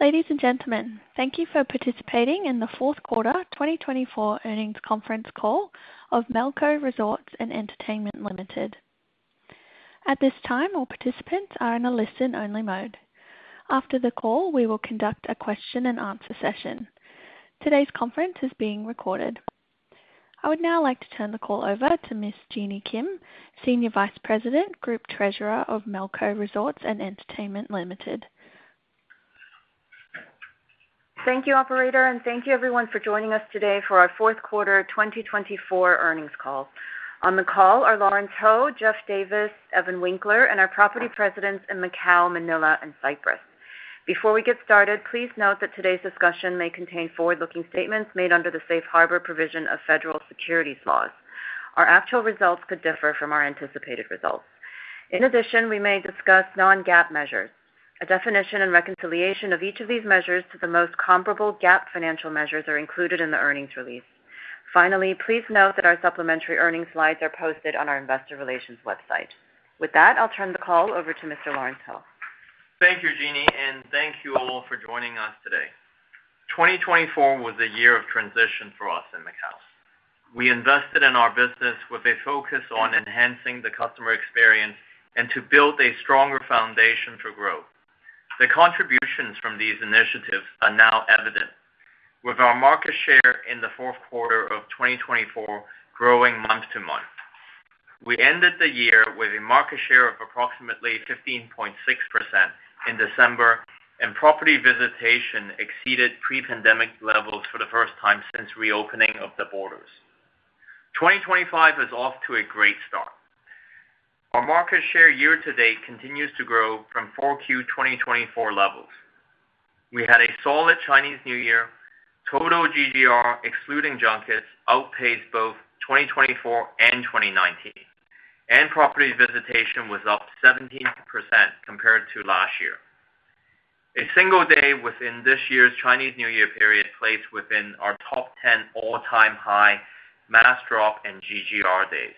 Ladies and gentlemen, thank you for participating in the fourth quarter 2024 earnings conference call of Melco Resorts & Entertainment Limited. At this time, all participants are in a listen-only mode. After the call, we will conduct a question-and-answer session. Today's conference is being recorded. I would now like to turn the call over to Miss Jeanny Kim, Senior Vice President, Group Treasurer of Melco Resorts & Entertainment Limited. Thank you, Operator, and thank you, everyone, for joining us today for our fourth quarter 2024 earnings call. On the call are Lawrence Ho, Geoff Davis, Evan Winkler, and our property presidents in Macau, Manila, and Cyprus. Before we get started, please note that today's discussion may contain forward-looking statements made under the safe harbor provision of federal securities laws. Our actual results could differ from our anticipated results. In addition, we may discuss non-GAAP measures. A definition and reconciliation of each of these measures to the most comparable GAAP financial measures are included in the earnings release. Finally, please note that our supplementary earnings slides are posted on our investor relations website. With that, I'll turn the call over to Mr. Lawrence Ho. Thank you, Jeanny, and thank you all for joining us today. 2024 was a year of transition for us in Macau. We invested in our business with a focus on enhancing the customer experience and to build a stronger foundation for growth. The contributions from these initiatives are now evident, with our market share in the fourth quarter of 2024 growing month to month. We ended the year with a market share of approximately 15.6% in December, and property visitation exceeded pre-pandemic levels for the first time since reopening of the borders. 2025 is off to a great start. Our market share year-to-date continues to grow from 4Q 2024 levels. We had a solid Chinese New Year. Total GGR, excluding junkets, outpaced both 2024 and 2019, and property visitation was up 17% compared to last year. A single day within this year's Chinese New Year period placed within our top 10 all-time high mass drop in GGR days.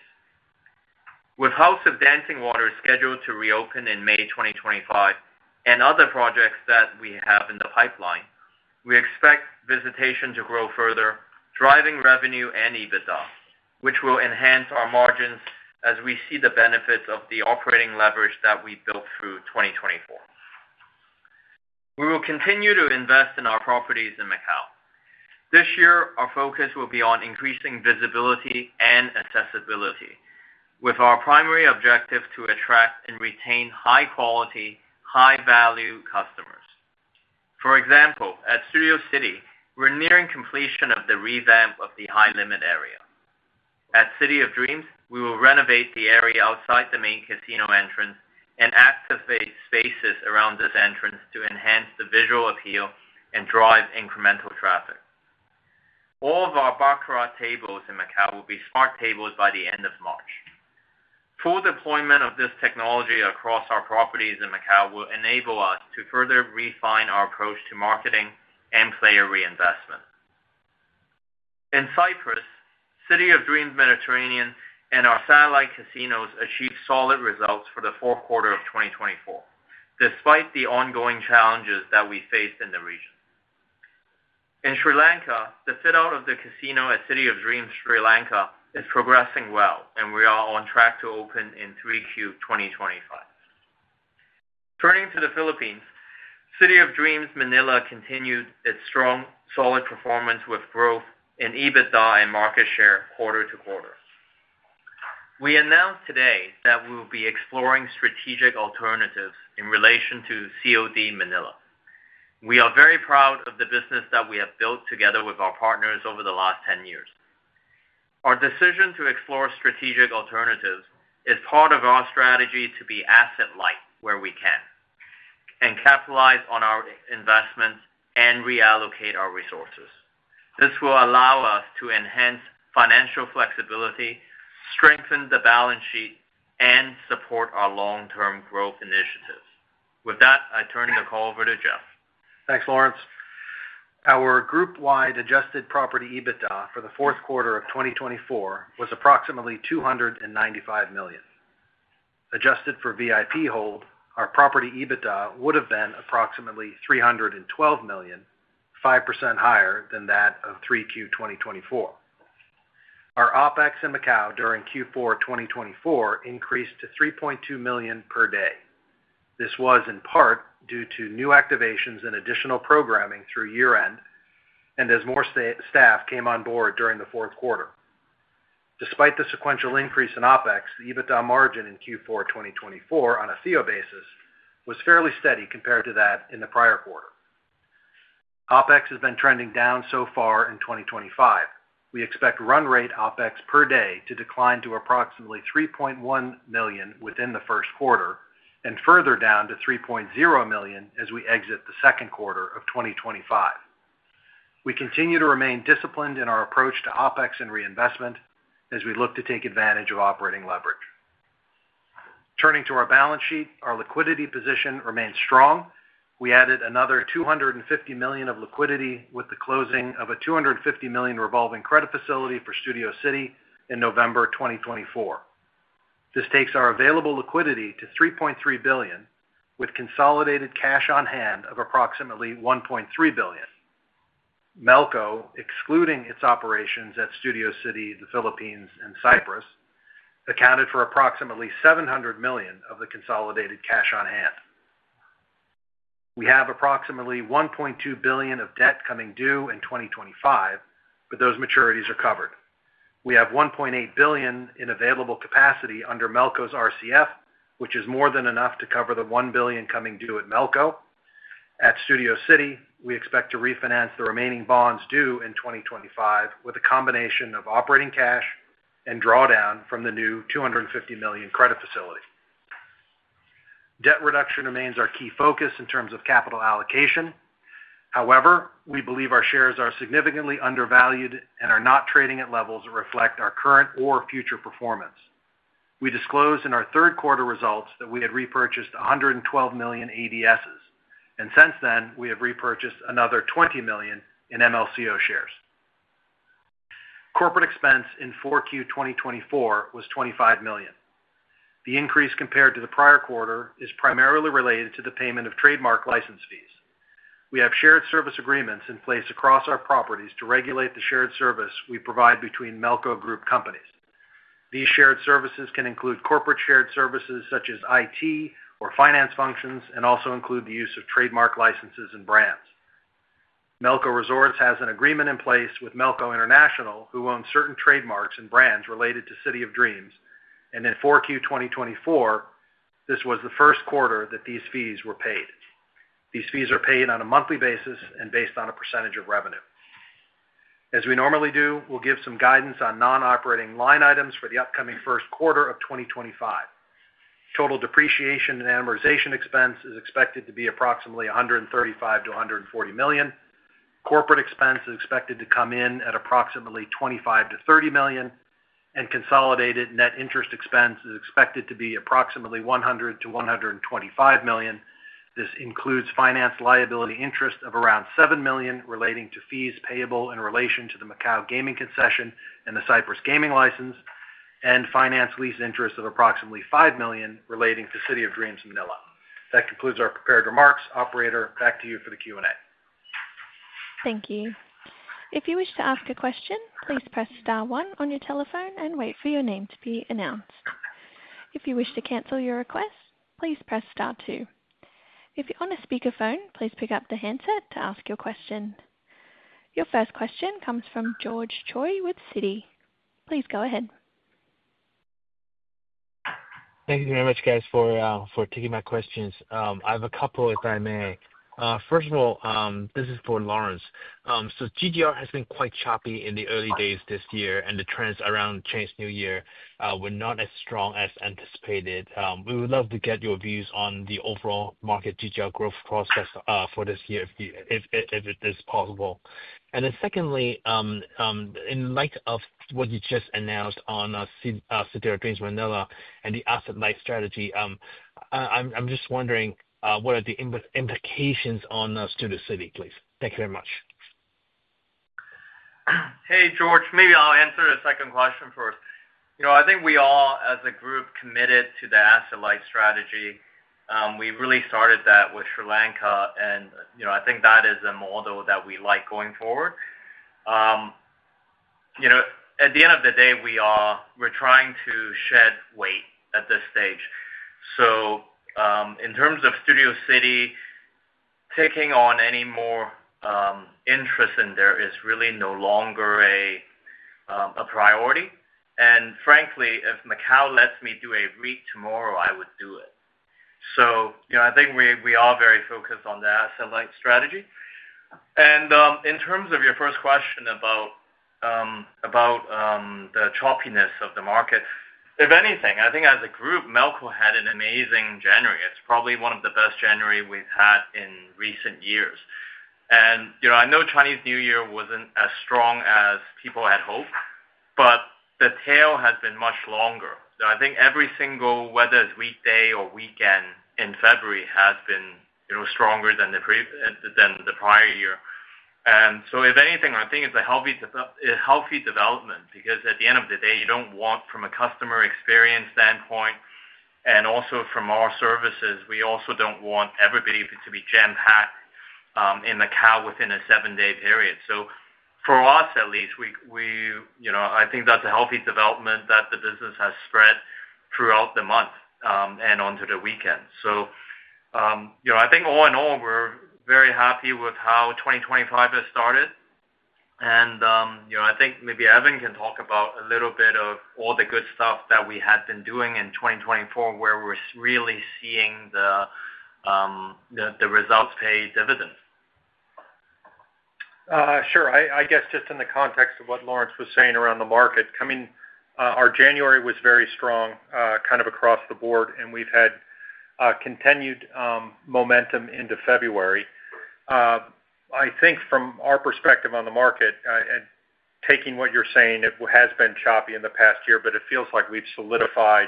With House of Dancing Water scheduled to reopen in May 2025 and other projects that we have in the pipeline, we expect visitation to grow further, driving revenue and EBITDA, which will enhance our margins as we see the benefits of the operating leverage that we built through 2024. We will continue to invest in our properties in Macau. This year, our focus will be on increasing visibility and accessibility, with our primary objective to attract and retain high-quality, high-value customers. For example, at Studio City, we're nearing completion of the revamp of the High Limit area. At City of Dreams, we will renovate the area outside the main casino entrance and activate spaces around this entrance to enhance the visual appeal and drive incremental traffic. All of our baccarat tables in Macau will be smart tables by the end of March. Full deployment of this technology across our properties in Macau will enable us to further refine our approach to marketing and player reinvestment. In Cyprus, City of Dreams Mediterranean and our satellite casinos achieved solid results for the fourth quarter of 2024, despite the ongoing challenges that we faced in the region. In Sri Lanka, the fit-out of the casino at City of Dreams Sri Lanka is progressing well, and we are on track to open in 3Q 2025. Turning to the Philippines, City of Dreams Manila continued its strong, solid performance with growth in EBITDA and market share quarter to quarter. We announced today that we will be exploring strategic alternatives in relation to COD Manila. We are very proud of the business that we have built together with our partners over the last 10 years. Our decision to explore strategic alternatives is part of our strategy to be asset-light where we can and capitalize on our investments and reallocate our resources. This will allow us to enhance financial flexibility, strengthen the balance sheet, and support our long-term growth initiatives. With that, I turn the call over to Geoff. Thanks, Lawrence. Our group-wide adjusted property EBITDA for the fourth quarter of 2024 was approximately $295 million. Adjusted for VIP hold, our property EBITDA would have been approximately $312 million, 5% higher than that of 3Q 2024. Our OpEx in Macau during Q4 2024 increased to $3.2 million per day. This was, in part, due to new activations and additional programming through year-end and as more staff came on board during the fourth quarter. Despite the sequential increase in OpEx, the EBITDA margin in Q4 2024 on a fee-only basis was fairly steady compared to that in the prior quarter. OpEx has been trending down so far in 2025. We expect run-rate OpEx per day to decline to approximately $3.1 million within the first quarter and further down to $3.0 million as we exit the second quarter of 2025. We continue to remain disciplined in our approach to OpEx and reinvestment as we look to take advantage of operating leverage. Turning to our balance sheet, our liquidity position remains strong. We added another $250 million of liquidity with the closing of a $250 million revolving credit facility for Studio City in November 2024. This takes our available liquidity to $3.3 billion, with consolidated cash on hand of approximately $1.3 billion. Melco, excluding its operations at Studio City, the Philippines, and Cyprus, accounted for approximately $700 million of the consolidated cash on hand. We have approximately $1.2 billion of debt coming due in 2025, but those maturities are covered. We have $1.8 billion in available capacity under Melco's RCF, which is more than enough to cover the $1 billion coming due at Melco. At Studio City, we expect to refinance the remaining bonds due in 2025 with a combination of operating cash and drawdown from the new $250 million credit facility. Debt reduction remains our key focus in terms of capital allocation. However, we believe our shares are significantly undervalued and are not trading at levels that reflect our current or future performance. We disclosed in our third quarter results that we had repurchased 112 million ADSs, and since then, we have repurchased another $20 million in MLCO shares. Corporate expense in 4Q 2024 was $25 million. The increase compared to the prior quarter is primarily related to the payment of trademark license fees. We have shared service agreements in place across our properties to regulate the shared service we provide between Melco Group companies. These shared services can include corporate shared services such as IT or finance functions and also include the use of trademark licenses and brands. Melco Resorts has an agreement in place with Melco International, who owns certain trademarks and brands related to City of Dreams, and in 4Q 2024, this was the first quarter that these fees were paid. These fees are paid on a monthly basis and based on a percentage of revenue. As we normally do, we'll give some guidance on non-operating line items for the upcoming first quarter of 2025. Total depreciation and amortization expense is expected to be approximately $135 million-$140 million. Corporate expense is expected to come in at approximately $25 million-$30 million, and consolidated net interest expense is expected to be approximately $100 million-$125 million. This includes finance liability interest of around $7 million relating to fees payable in relation to the Macau gaming concession and the Cyprus gaming license, and finance lease interest of approximately $5 million relating to City of Dreams Manila. That concludes our prepared remarks. Operator, back to you for the Q&A. Thank you. If you wish to ask a question, please press star one on your telephone and wait for your name to be announced. If you wish to cancel your request, please press star two. If you're on a speakerphone, please pick up the handset to ask your question. Your first question comes from George Choi with Citigroup. Please go ahead. Thank you very much, guys, for taking my questions. I have a couple, if I may. First of all, this is for Lawrence. So GGR has been quite choppy in the early days this year, and the trends around Chinese New Year were not as strong as anticipated. We would love to get your views on the overall market GGR growth prospects for this year, if it is possible, and then secondly, in light of what you just announced on City of Dreams Manila and the asset-light strategy, I'm just wondering, what are the implications on Studio City, please? Thank you very much. Hey, George, maybe I'll answer the second question first. I think we all, as a group, committed to the asset-light strategy. We really started that with Sri Lanka, and I think that is a model that we like going forward. At the end of the day, we're trying to shed weight at this stage, so in terms of Studio City, taking on any more interest in there is really no longer a priority, and frankly, if Macau lets me do a REIT tomorrow, I would do it, so I think we are very focused on the asset-light strategy, and in terms of your first question about the choppiness of the market, if anything, I think as a group, Melco had an amazing January. It's probably one of the best January we've had in recent years. And I know Chinese New Year wasn't as strong as people had hoped, but the tail has been much longer. I think every single whether it's weekday or weekend in February has been stronger than the prior year. And so if anything, I think it's a healthy development because at the end of the day, you don't want, from a customer experience standpoint and also from our services, we also don't want everybody to be jam-packed in Macau within a seven-day period. So for us, at least, I think that's a healthy development that the business has spread throughout the month and onto the weekend. So I think all in all, we're very happy with how 2025 has started. And I think maybe Evan can talk about a little bit of all the good stuff that we had been doing in 2024 where we're really seeing the results pay dividends. Sure. I guess just in the context of what Lawrence was saying around the market, I mean, our January was very strong kind of across the board, and we've had continued momentum into February. I think from our perspective on the market, taking what you're saying, it has been choppy in the past year, but it feels like we've solidified,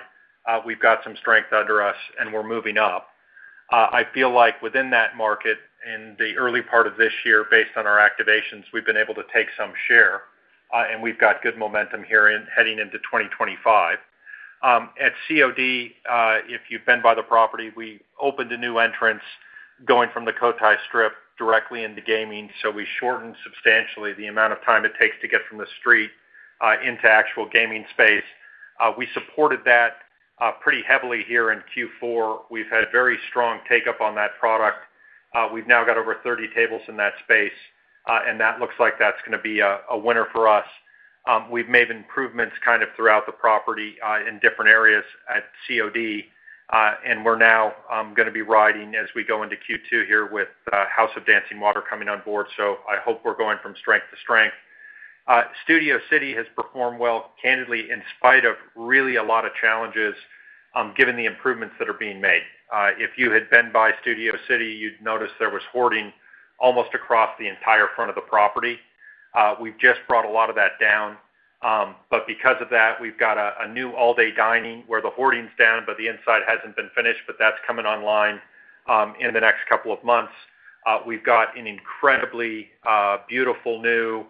we've got some strength under us, and we're moving up. I feel like within that market, in the early part of this year, based on our activations, we've been able to take some share, and we've got good momentum here heading into 2025. At COD, if you've been by the property, we opened a new entrance going from the Cotai Strip directly into gaming, so we shortened substantially the amount of time it takes to get from the street into actual gaming space. We supported that pretty heavily here in Q4. We've had very strong take-up on that product. We've now got over 30 tables in that space, and that looks like that's going to be a winner for us. We've made improvements kind of throughout the property in different areas at COD, and we're now going to be riding as we go into Q2 here with House of Dancing Water coming on board. So I hope we're going from strength to strength. Studio City has performed well, candidly, in spite of really a lot of challenges, given the improvements that are being made. If you had been by Studio City, you'd notice there was hoarding almost across the entire front of the property. We've just brought a lot of that down. But because of that, we've got a new all-day dining where the hoarding's down, but the inside hasn't been finished, but that's coming online in the next couple of months. We've got an incredibly beautiful new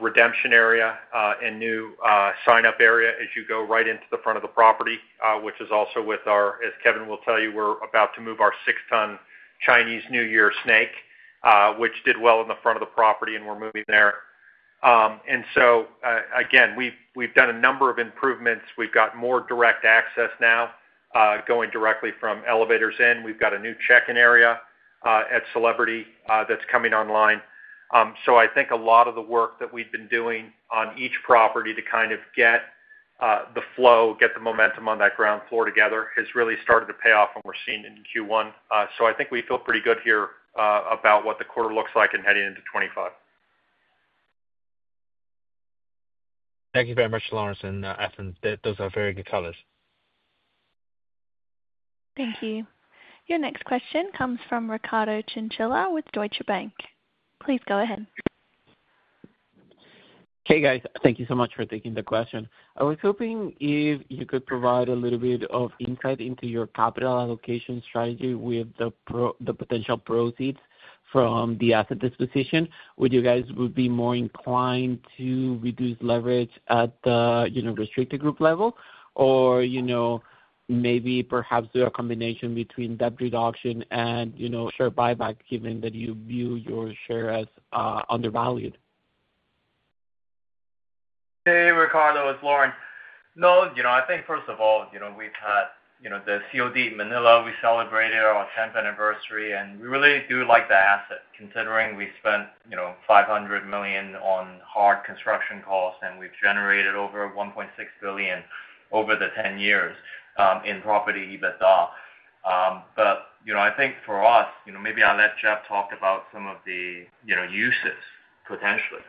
redemption area and new sign-up area as you go right into the front of the property, which is also with our, as Kevin will tell you, we're about to move our 6 ton Chinese New Year snake, which did well in the front of the property, and we're moving there. And so again, we've done a number of improvements. We've got more direct access now going directly from elevators in. We've got a new check-in area at Celebrity that's coming online. So I think a lot of the work that we've been doing on each property to kind of get the flow, get the momentum on that ground floor together has really started to pay off, and we're seeing it in Q1. So I think we feel pretty good here about what the quarter looks like and heading into 2025. Thank you very much, Lawrence and Evan. Those are very good colors. Thank you. Your next question comes from Ricardo Chinchilla with Deutsche Bank. Please go ahead. Hey, guys. Thank you so much for taking the question. I was hoping if you could provide a little bit of insight into your capital allocation strategy with the potential proceeds from the asset disposition. Would you guys be more inclined to reduce leverage at the restricted group level, or maybe perhaps do a combination between debt reduction and share buyback, given that you view your share as undervalued? Hey, Ricardo. It's Lawrence. No, I think first of all, we've had the COD Manila. We celebrated our 10th anniversary, and we really do like the asset, considering we spent $500 million on hard construction costs, and we've generated over $1.6 billion over the 10 years in property EBITDA. But I think for us, maybe I'll let Geoff talk about some of the uses, potentially.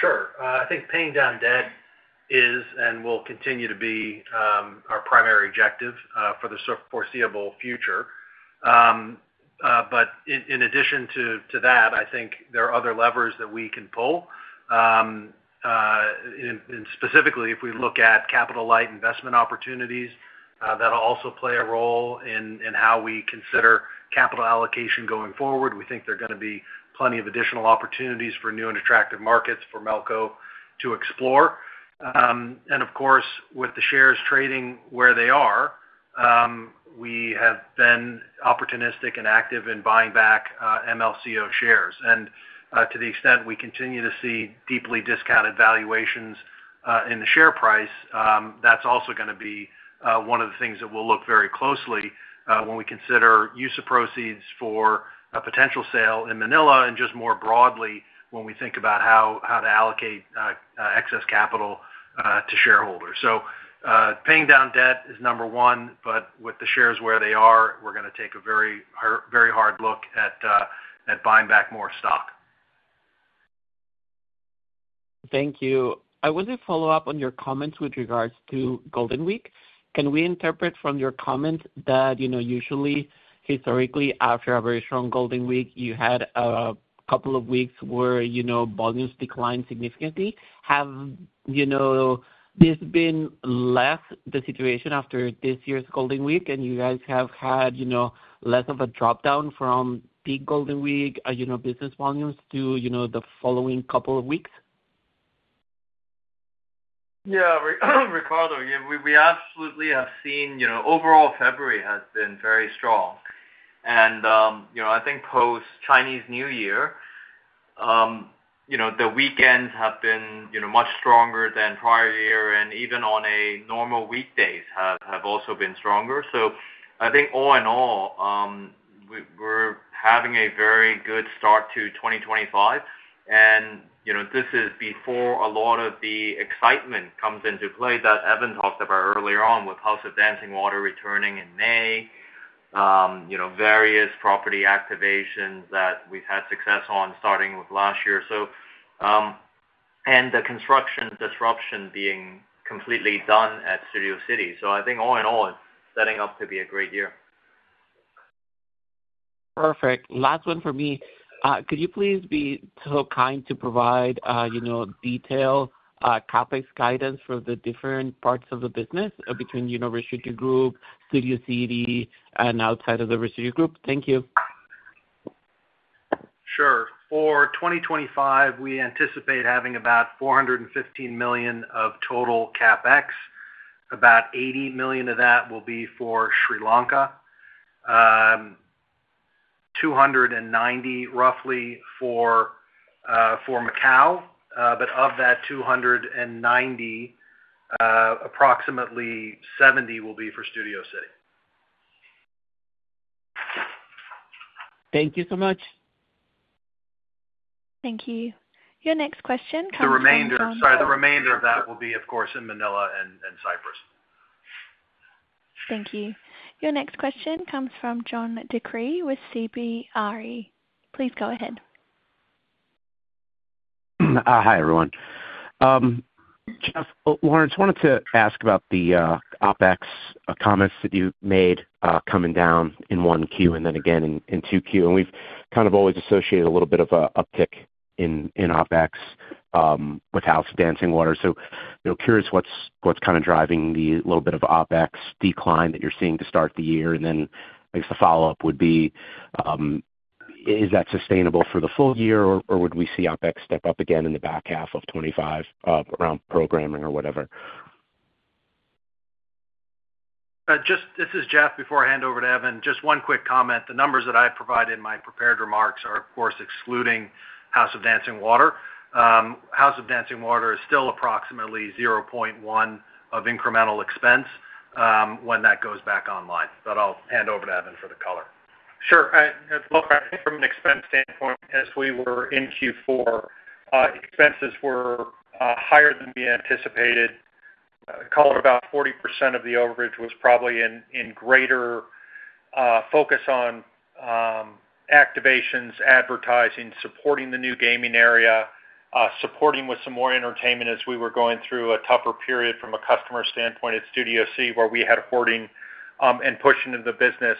Sure. I think paying down debt is and will continue to be our primary objective for the foreseeable future. But in addition to that, I think there are other levers that we can pull. Specifically, if we look at capital-light investment opportunities, that'll also play a role in how we consider capital allocation going forward. We think there are going to be plenty of additional opportunities for new and attractive markets for Melco to explore. And of course, with the shares trading where they are, we have been opportunistic and active in buying back MLCO shares. And to the extent we continue to see deeply discounted valuations in the share price, that's also going to be one of the things that we'll look very closely when we consider use of proceeds for a potential sale in Manila and just more broadly when we think about how to allocate excess capital to shareholders. So paying down debt is number one, but with the shares where they are, we're going to take a very hard look at buying back more stock. Thank you. I want to follow up on your comments with regards to Golden Week. Can we interpret from your comments that usually, historically, after a very strong Golden Week, you had a couple of weeks where volumes declined significantly? Has this been less the situation after this year's Golden Week, and you guys have had less of a dropdown from peak Golden Week business volumes to the following couple of weeks? Yeah, Ricardo, we absolutely have seen overall February has been very strong. And I think post-Chinese New Year, the weekends have been much stronger than prior year, and even on normal weekdays have also been stronger. So I think all in all, we're having a very good start to 2025. And this is before a lot of the excitement comes into play that Evan talked about earlier on with House of Dancing Water returning in May, various property activations that we've had success on starting with last year, and the construction disruption being completely done at Studio City. So I think all in all, it's setting up to be a great year. Perfect. Last one for me. Could you please be so kind to provide detailed CapEx guidance for the different parts of the business between restricted group, Studio City, and outside of the restricted group? Thank you. Sure. For 2025, we anticipate having about $415 million of total CapEx. About $80 million of that will be for Sri Lanka, $290 million roughly for Macau. But of that $290 million, approximately $70 million will be for Studio City. Thank you so much. Thank you. Your next question comes from. The remainder of that will be, of course, in Manila and Cyprus. Thank you. Your next question comes from John DeCree with CBRE. Please go ahead. Hi everyone. Jeff, Lawrence, wanted to ask about the OpEx comments that you made coming down in one Q and then again in two Q. And we've kind of always associated a little bit of an uptick in OpEx with House of Dancing Water. So curious what's kind of driving the little bit of OpEx decline that you're seeing to start the year. And then I guess the follow-up would be, is that sustainable for the full year, or would we see OpEx step up again in the back half of '25 around programming or whatever? This is Geoff. Before I hand over to Evan, just one quick comment. The numbers that I provide in my prepared remarks are, of course, excluding House of Dancing Water. House of Dancing Water is still approximately 0.1 of incremental expense when that goes back online. But I'll hand over to Evan for the color. Sure. From an expense standpoint, as we were in Q4, expenses were higher than we anticipated. About 40% of the overage was probably in greater focus on activations, advertising, supporting the new gaming area, supporting with some more entertainment as we were going through a tougher period from a customer standpoint at Studio City where we had hoarding and pushing of the business.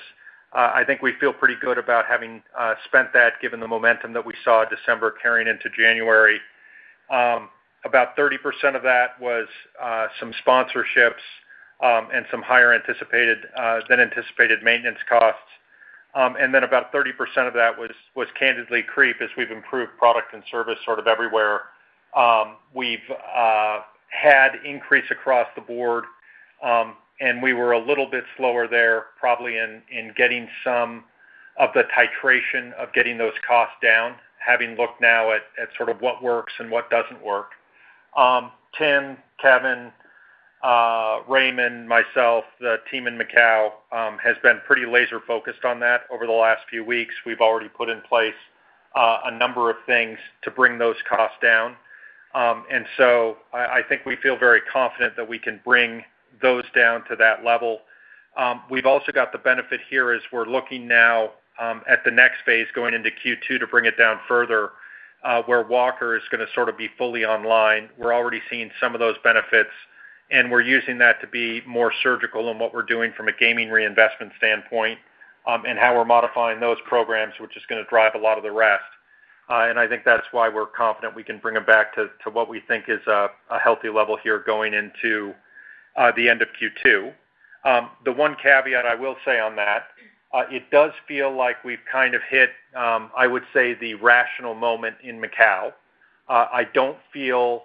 I think we feel pretty good about having spent that, given the momentum that we saw December carrying into January. About 30% of that was some sponsorships and some higher than anticipated maintenance costs, and then about 30% of that was candidly, creep as we've improved product and service sort of everywhere. We've had an increase across the board, and we were a little bit slower there probably in getting some of the titration of getting those costs down, having looked now at sort of what works and what doesn't work. Tim, Kevin, Raymond, myself, the team in Macau has been pretty laser-focused on that over the last few weeks. We've already put in place a number of things to bring those costs down. I think we feel very confident that we can bring those down to that level. We've also got the benefit here as we're looking now at the next phase going into Q2 to bring it down further where the water is going to sort of be fully online. We're already seeing some of those benefits, and we're using that to be more surgical than what we're doing from a gaming reinvestment standpoint and how we're modifying those programs, which is going to drive a lot of the rest, and I think that's why we're confident we can bring them back to what we think is a healthy level here going into the end of Q2. The one caveat I will say on that, it does feel like we've kind of hit, I would say, the rational moment in Macau. I don't feel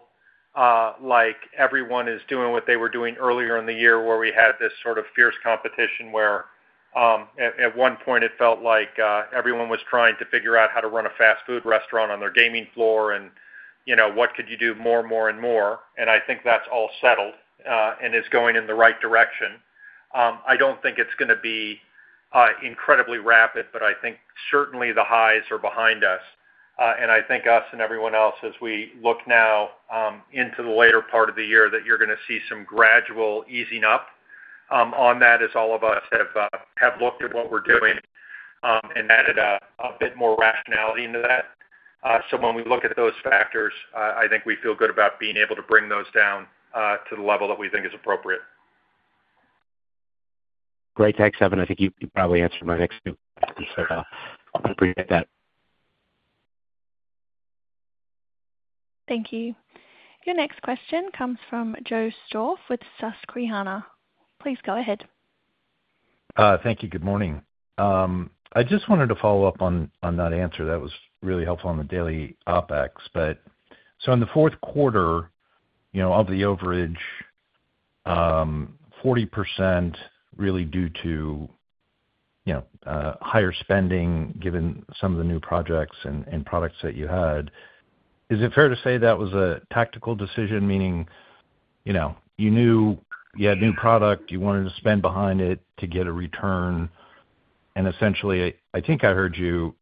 like everyone is doing what they were doing earlier in the year where we had this sort of fierce competition where at one point it felt like everyone was trying to figure out how to run a fast food restaurant on their gaming floor and what could you do more and more and more. I think that's all settled and is going in the right direction. I don't think it's going to be incredibly rapid, but I think certainly the highs are behind us. I think us and everyone else as we look now into the later part of the year that you're going to see some gradual easing up on that as all of us have looked at what we're doing and added a bit more rationality into that. When we look at those factors, I think we feel good about being able to bring those down to the level that we think is appropriate. Great. Thanks, Evan. I think you probably answered my next few questions, so I appreciate that. Thank you. Your next question comes from Joe Stauff with Susquehanna. Please go ahead. Thank you. Good morning. I just wanted to follow up on that answer. That was really helpful on the daily OpEx. So in the fourth quarter of the overage, 40% really due to higher spending given some of the new projects and products that you had. Is it fair to say that was a tactical decision, meaning you knew you had new product, you wanted to spend behind it to get a return? And essentially, I think I heard you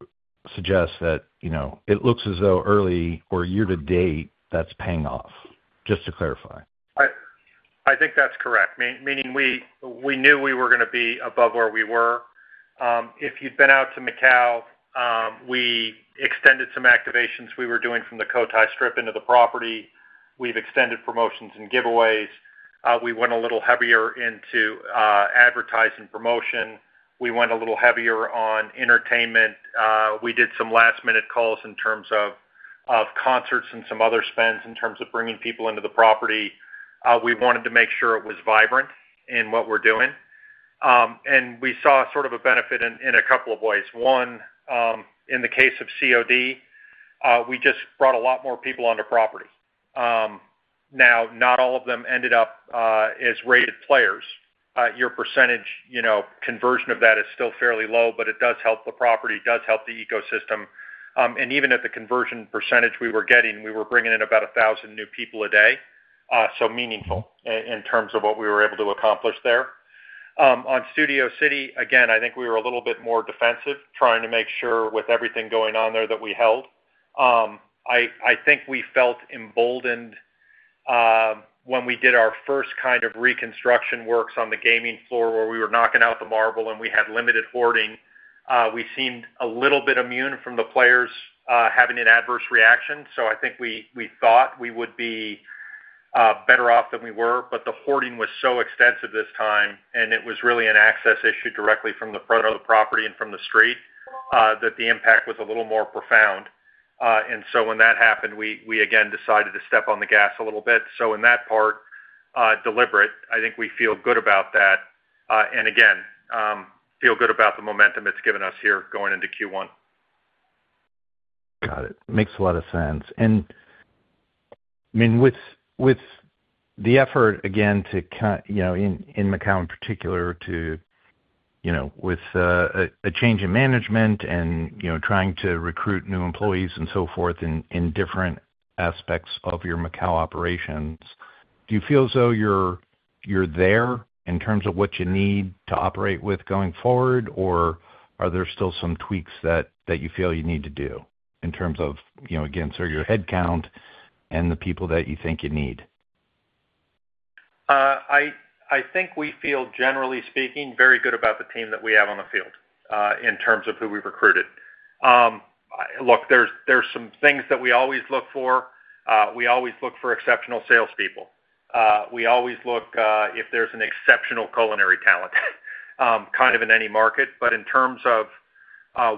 suggest that it looks as though early or year-to-date that's paying off. Just to clarify. I think that's correct, meaning we knew we were going to be above where we were. If you'd been out to Macau, we extended some activations we were doing from the Cotai Strip into the property. We've extended promotions and giveaways. We went a little heavier into advertising promotion. We went a little heavier on entertainment. We did some last-minute calls in terms of concerts and some other spends in terms of bringing people into the property. We wanted to make sure it was vibrant in what we're doing, and we saw sort of a benefit in a couple of ways. One, in the case of COD, we just brought a lot more people on the property. Now, not all of them ended up as rated players. Your percentage conversion of that is still fairly low, but it does help the property, does help the ecosystem. Even at the conversion percentage we were getting, we were bringing in about 1,000 new people a day. Meaningful in terms of what we were able to accomplish there. On Studio City, again, I think we were a little bit more defensive trying to make sure with everything going on there that we held. I think we felt emboldened when we did our first kind of reconstruction works on the gaming floor where we were knocking out the marble and we had limited hoarding. We seemed a little bit immune from the players having an adverse reaction. I think we thought we would be better off than we were. The hoarding was so extensive this time, and it was really an access issue directly from the front of the property and from the street that the impact was a little more profound. And so when that happened, we again decided to step on the gas a little bit. So in that part, deliberate. I think we feel good about that. And again, feel good about the momentum it's given us here going into Q1. Got it. Makes a lot of sense. And I mean, with the effort, again, in Macau in particular, with a change in management and trying to recruit new employees and so forth in different aspects of your Macau operations, do you feel as though you're there in terms of what you need to operate with going forward, or are there still some tweaks that you feel you need to do in terms of, again, sort of your headcount and the people that you think you need? I think we feel, generally speaking, very good about the team that we have on the field in terms of who we've recruited. Look, there's some things that we always look for. We always look for exceptional salespeople. We always look if there's an exceptional culinary talent kind of in any market. But in terms of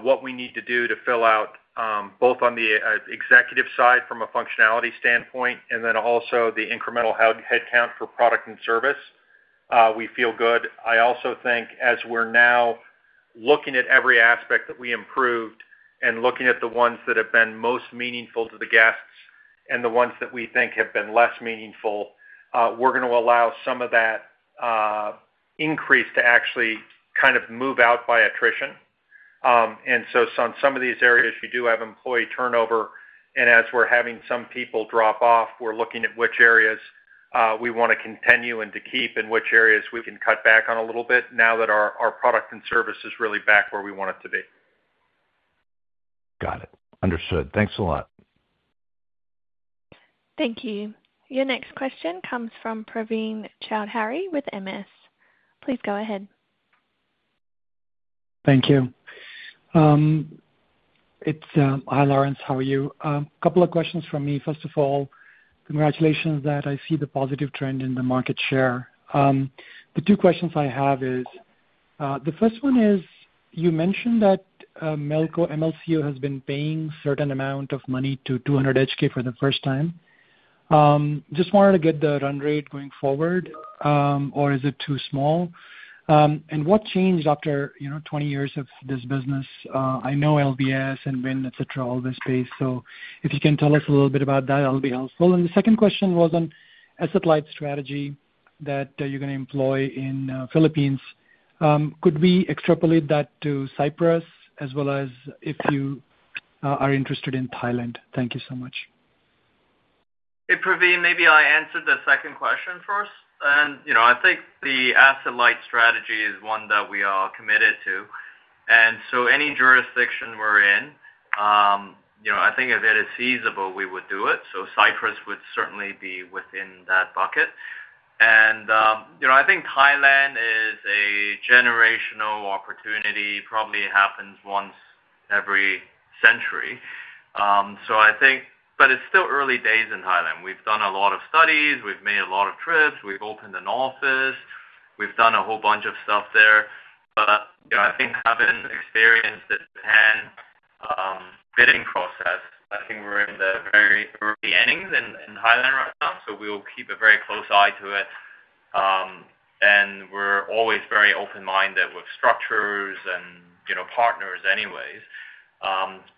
what we need to do to fill out both on the executive side from a functionality standpoint and then also the incremental headcount for product and service, we feel good. I also think as we're now looking at every aspect that we improved and looking at the ones that have been most meaningful to the guests and the ones that we think have been less meaningful, we're going to allow some of that increase to actually kind of move out by attrition, and so on some of these areas, you do have employee turnover. As we're having some people drop off, we're looking at which areas we want to continue and to keep and which areas we can cut back on a little bit now that our product and service is really back where we want it to be. Got it. Understood. Thanks a lot. Thank you. Your next question comes from Praveen Choudhary with MS. Please go ahead. Thank you. Hi, Lawrence. How are you? A couple of questions from me. First of all, congratulations that I see the positive trend in the market share. The two questions I have is, the first one is, you mentioned that Melco MLCO has been paying a certain amount of money to 200 for the first time. Just wanted to get the run rate going forward, or is it too small? And what changed after 20 years of this business? I know LVS and Wynn, etc., all this space. So if you can tell us a little bit about that, that'll be helpful. And the second question was on asset-light strategy that you're going to employ in the Philippines. Could we extrapolate that to Cyprus as well as if you are interested in Thailand? Thank you so much. Hey, Praveen, maybe I answered the second question first, and I think the asset-light strategy is one that we are committed to, and so any jurisdiction we're in, I think if it is feasible, we would do it. So Cyprus would certainly be within that bucket, and I think Thailand is a generational opportunity. It probably happens once every century, but it's still early days in Thailand. We've done a lot of studies. We've made a lot of trips. We've opened an office. We've done a whole bunch of stuff there, but I think having experienced the bidding process, I think we're in the very early innings in Thailand right now. So we'll keep a very close eye to it, and we're always very open-minded with structures and partners anyways.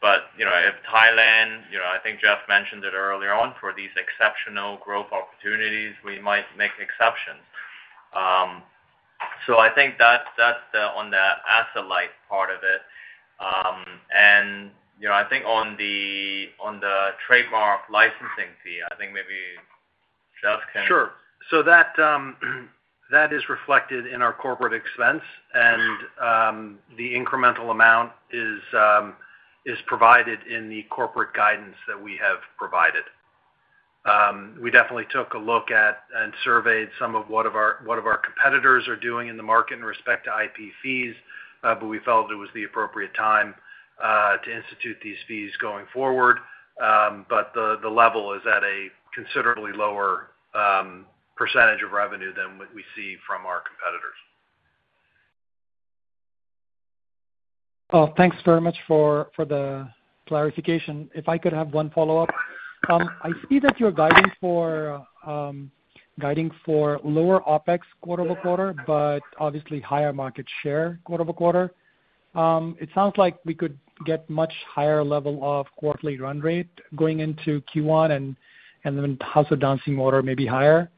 But if Thailand, I think Geoff mentioned it earlier on, for these exceptional growth opportunities, we might make exceptions. So I think that's on the asset-light part of it. And I think on the trademark licensing fee, I think maybe Geoff can. Sure. So that is reflected in our corporate expense, and the incremental amount is provided in the corporate guidance that we have provided. We definitely took a look at and surveyed some of what our competitors are doing in the market in respect to IP fees, but we felt it was the appropriate time to institute these fees going forward. But the level is at a considerably lower percentage of revenue than what we see from our competitors. Thanks very much for the clarification. If I could have one follow-up, I see that you're guiding for lower OpEx quarter-over-quarter, but obviously higher market share quarter-over-quarter. It sounds like we could get much higher level of quarterly run rate going into Q1 and then House of Dancing Water maybe higher.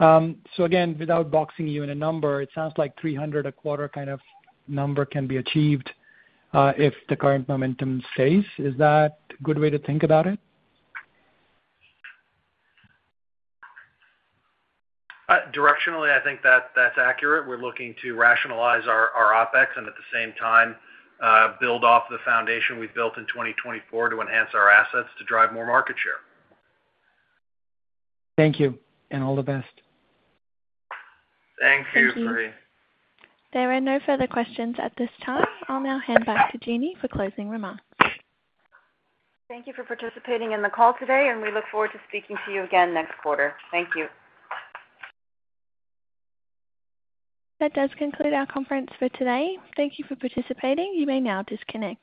So again, without boxing you in a number, it sounds like 300 a quarter kind of number can be achieved if the current momentum stays. Is that a good way to think about it? Directionally, I think that's accurate. We're looking to rationalize our OpEx and at the same time build off the foundation we've built in 2024 to enhance our assets to drive more market share. Thank you. And all the best. Thank you, Praveen. Thank you. There are no further questions at this time. I'll now hand back to Jeanny for closing remarks. Thank you for participating in the call today, and we look forward to speaking to you again next quarter. Thank you. That does conclude our conference for today. Thank you for participating. You may now disconnect.